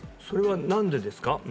それは何でですか？